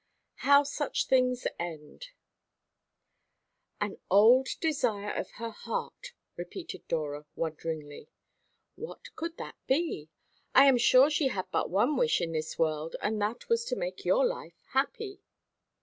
HOW SUCH THINGS END. "An old desire of her heart," repeated Dora wonderingly. "What could that be? I am sure she had but one wish in this world, and that was to make your life happy."